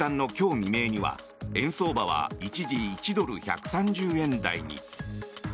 未明には円相場は一時１ドル＝１３０円台に。